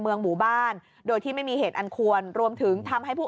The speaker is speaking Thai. เมืองหมู่บ้านโดยที่ไม่มีเหตุอันควรรวมถึงทำให้ผู้